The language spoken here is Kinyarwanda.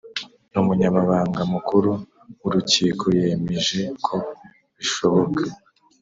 Umunyamabanga mukuru w urukiko yemeje ko bishoboka